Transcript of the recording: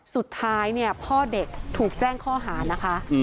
สุดท้ายเนี่ยพ่อเด็กถูกแจ้งข้อหานะคะ